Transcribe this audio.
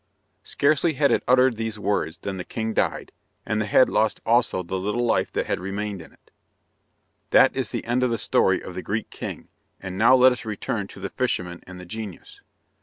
Scarcely had it uttered these words than the king died, and the head lost also the little life that had remained in it. That is the end of the story of the Greek king, and now let us return to the fisherman and the genius.